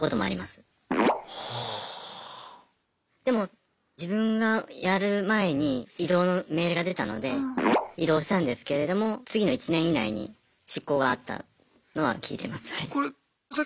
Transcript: でも自分がやる前に異動の命令が出たので異動したんですけれども次の１年以内に執行があったのは聞いてます。